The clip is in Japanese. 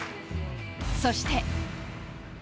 そして。